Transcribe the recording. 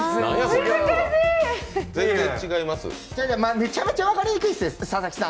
めちゃめちゃ分かりにくいです、佐々木さん。